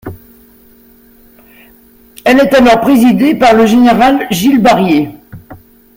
Elle est alors présidée par le général Gilles Barrié.